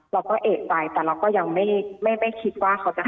เราก็เอกใจแต่เราก็ยังไม่คิดว่าเขาจะให้